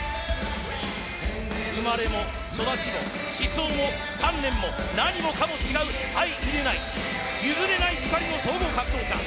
生まれも育ちも思想も鍛錬も何もかも違う相容れない譲れない２人の総合格闘家。